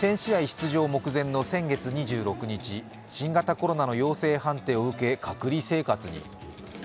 出場目前の先月２６日、新型コロナの陽性判定を受け隔離生活に。